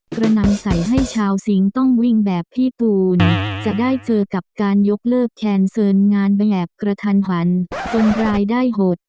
กระนำใส่ให้ชาวสิงค์ต้องวิ่งแบบพี่ตูนจะได้เจอกับการยกเลิกแคนเซินงานแบบกระทันหันจนรายได้หด